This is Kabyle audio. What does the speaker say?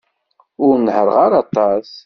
Ur nehhṛeɣ ara aṭas.